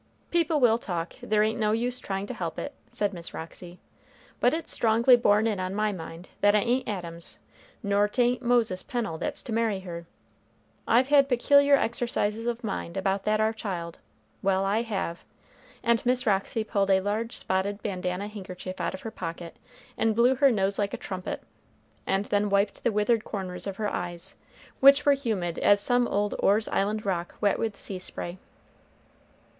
"People will talk, there ain't no use trying to help it," said Miss Roxy; "but it's strongly borne in on my mind that it ain't Adams, nor 't ain't Moses Pennel that's to marry her. I've had peculiar exercises of mind about that ar child, well I have;" and Miss Roxy pulled a large spotted bandanna handkerchief out of her pocket, and blew her nose like a trumpet, and then wiped the withered corners of her eyes, which were humid as some old Orr's Island rock wet with sea spray.